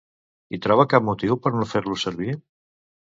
Hi troba cap motiu per no fer-los servir?